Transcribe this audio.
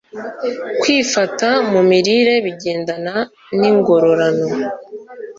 Kwifata mu mirire bigendana ningororano